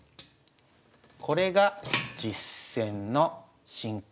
これが実戦の進行。